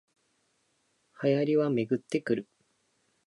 流行りはめぐってくる